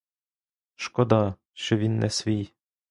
Шкода, що він не свій.